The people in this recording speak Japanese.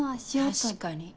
確かに。